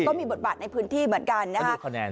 ก็มีบทบาทในพื้นที่เหมือนกันนะครับ